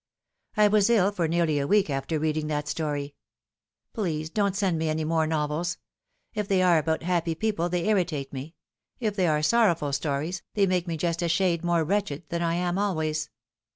I was ill for nearly a week after reading that story. Please don't send me any more novels. If they are about happy people they irritate me ; if they are sorrowful stories they make me just a shade more wretched than I am always.